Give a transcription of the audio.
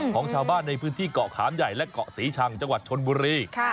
ของชาวบ้านในพื้นที่เกาะขามใหญ่และเกาะศรีชังจังหวัดชนบุรี